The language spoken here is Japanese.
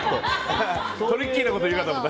トリッキーなこと言うかと思った。